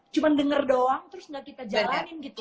cuman denger doang terus gak kita jalanin gitu